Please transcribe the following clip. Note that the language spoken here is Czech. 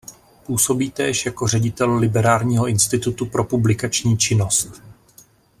Působí též jako ředitel Liberálního institutu pro publikační činnost.